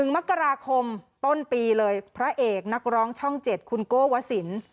๑มกราคมต้นปีเลยพระเอกนักร้องช่อง๗คุณโก้วสิน